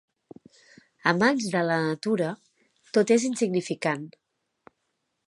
A mans de la natura tot és insignificant.